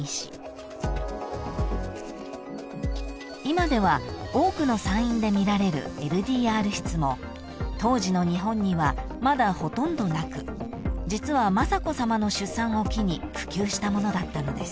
［今では多くの産院で見られるＬＤＲ室も当時の日本にはまだほとんどなく実は雅子さまの出産を機に普及したものだったのです］